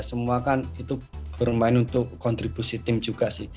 semua kan itu bermain untuk kontribusi tim juga sih